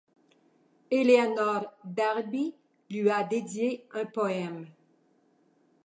Eleanor Darby lui a dédié un poème.